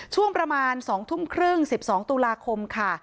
ช่วงประมาณ๒๓๐ทุ่ม๑๒ตุลาคมค่ะ